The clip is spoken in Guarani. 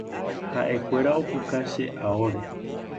Ha’ekuéra opuka che aóre.